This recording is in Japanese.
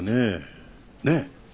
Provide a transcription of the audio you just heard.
ねえ？